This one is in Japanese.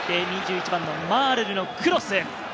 ２１番のマールルのクロス。